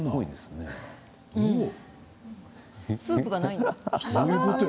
スープがないんだ。